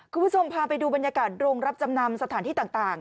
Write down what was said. คุณผู้ชมพาไปดูบรรยากาศโรงรับจำนำสถานที่ต่าง